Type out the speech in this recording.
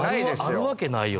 あるわけないよ